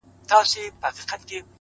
زړه مي را خوري ـ